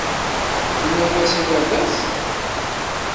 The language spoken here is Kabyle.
Tennam-as i baba-s?